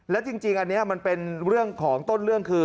และจริงอันนี้มันเป็นเรื่องของต้นเรื่องคือ